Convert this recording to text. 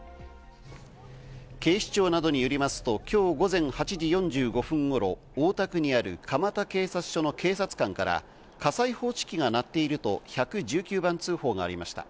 警視庁などによりますと、今日午前８時４５分頃、大田区にある蒲田警察署の警察官から火災報知器が鳴っていると１１９番通報がありました。